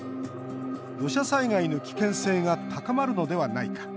土砂災害の危険性が高まるのではないか。